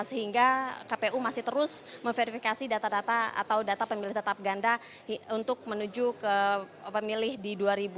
sehingga kpu masih terus meverifikasi data data atau data pemilih tetap ganda untuk menuju ke pemilih di dua ribu sembilan belas dua ribu sembilan belas